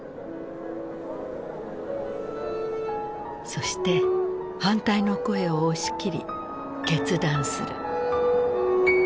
そして反対の声を押し切り決断する。